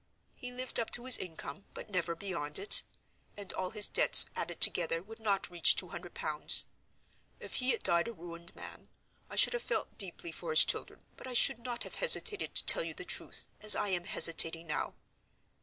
He lived up to his income, but never beyond it; and all his debts added together would not reach two hundred pounds. If he had died a ruined man, I should have felt deeply for his children: but I should not have hesitated to tell you the truth, as I am hesitating now.